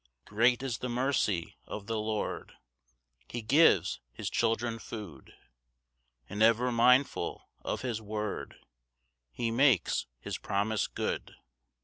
2 Great is the mercy of the Lord, He gives his children food; And ever mindful of his word, He makes his promise good.